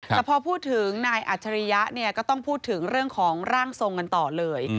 แต่พอพูดถึงนายอัจฉริยะเนี่ยก็ต้องพูดถึงเรื่องของร่างทรงกันต่อเลย